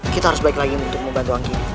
kita harus baik lagi untuk membantu anggiri